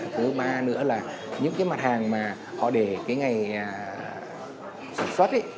thứ ba nữa là những cái mặt hàng mà họ để cái ngày sản xuất ấy